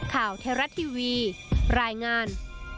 ข่าวเทราะทีวีรายงาน